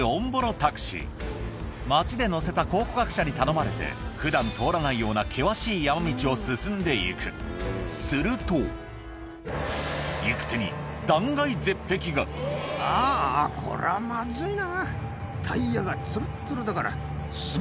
タクシー街で乗せた考古学者に頼まれて普段通らないような険しい山道を進んで行くすると行く手に断崖絶壁がああこりゃまずいな。